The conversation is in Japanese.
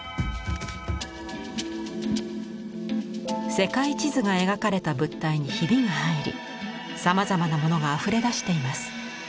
世界地図が描かれた物体にひびが入りさまざまなものがあふれ出しています。